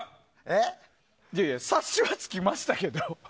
察しがつきましたけど。